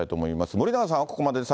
森永さんはここまでです。